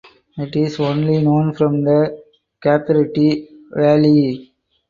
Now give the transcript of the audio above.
It is only known from the Capertee Valley.